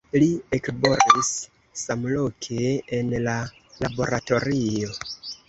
Li eklaboris samloke en la laboratorio.